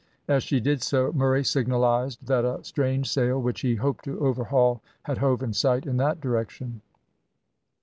As she did so, Murray signalised that a strange sail, which he hoped to overhaul, had hove in sight in that direction.